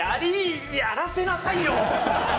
やらせなさいよ！